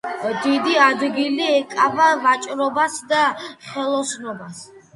დიდი ადგილი ეკავა ვაჭრობასა და ხელოსნობას.